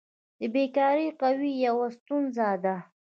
د بیکاري قوي یوه ستونزه ده.